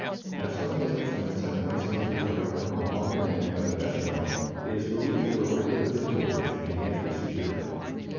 As some of his instruments have been recently recovered from a wandering band of Esquimaux, it is believed that a record of his voyage may yet be secured.